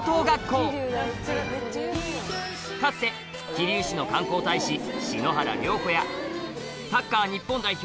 かつて桐生市の観光大使篠原涼子やサッカー日本代表